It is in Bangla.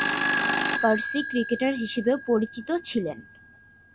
পার্সি ক্রিকেটার হিসেবেও পরিচিত ছিলেন।